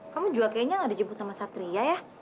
kamu juga kayaknya gak ada jemput sama satria ya